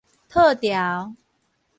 套牢